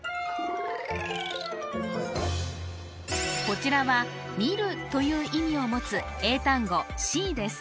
こちらは「見る」という意味を持つ英単語「ｓｅｅ」です